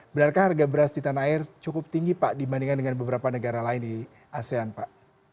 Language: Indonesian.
benarkah harga beras di tanah air cukup tinggi pak dibandingkan dengan beberapa negara lain di asean pak